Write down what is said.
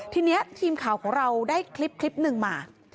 ทีนี้ทีมข่าวของเราได้คลิปหนึ่งมา